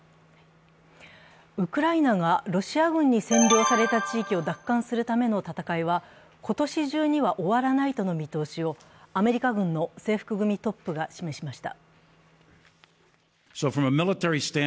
ウクライナがロシア軍に占領された地域を奪還するための戦いは今年中には終わらないとの見通しをアメリカ軍の制服組トップが示しました。